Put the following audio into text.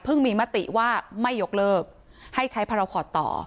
มีมติว่าไม่ยกเลิกให้ใช้พาราคอตต่อ